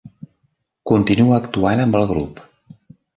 Continua actuant amb el grup.